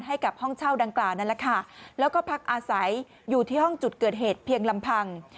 ให้กับห้องเช่าดังกล่าวนั่นแหละค่ะแล้วก็พักอาศัยอยู่ที่ห้องจุดเกิดเหตุเพียงลำพัง